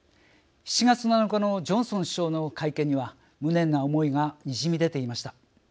７月７日のジョンソン首相の会見には無念な思いがにじみ出ていました。